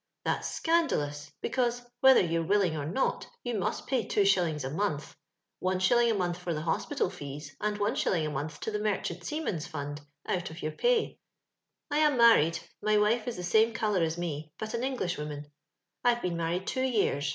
That's scandalous, because, whether youYe willing or not, you must pay two shillings a month (one shilling a month for the hospital fees, and one shilling a month to the Merchant Seaman's Fund), out of yoTir pay. I am married : my wife is the same colour as me, but an Englishwoman. I've been married two years.